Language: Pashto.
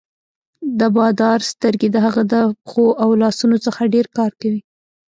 د بادار سترګې د هغه د پښو او لاسونو څخه ډېر کار کوي.